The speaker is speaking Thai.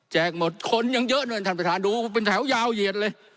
หมดคนยังเยอะด้วยท่านประธานดูเป็นแถวยาวเหยียดเลย